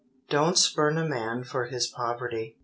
_Don't spurn a man for his poverty.